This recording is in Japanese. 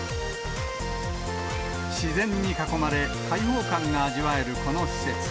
自然に囲まれ、開放感が味わえるこの施設。